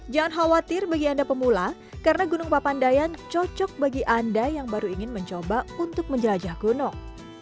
jangan khawatir bagi anda pemula karena gunung papandayan cocok bagi anda yang baru ingin mencoba untuk menjelajah gunung